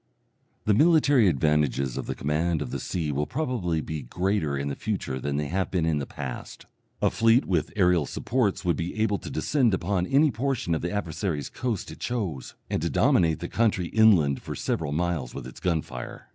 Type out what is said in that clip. The military advantages of the command of the sea will probably be greater in the future than they have been in the past. A fleet with aerial supports would be able to descend upon any portion of the adversary's coast it chose, and to dominate the country inland for several miles with its gun fire.